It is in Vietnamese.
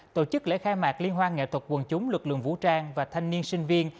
tổ chức lễ khai mạc liên hoan nghệ thuật quần chúng lực lượng vũ trang và thanh niên sinh viên